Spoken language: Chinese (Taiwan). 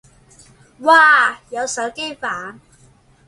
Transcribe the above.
哇有手機版